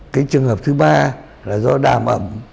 cái trường hợp thứ ba là do đàm ẩm